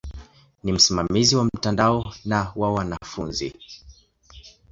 Ni msimamizi wa mtandao na wa wanafunzi.